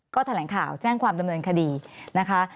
ก็แถลงข่าวแจ้งความดำเนินคดีนะคะ